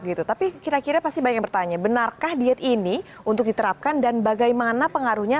gitu tapi kira kira pasti banyak yang bertanya benarkah diet ini untuk diterapkan dan bagaimana pengaruhnya